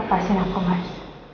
lepasin aku mas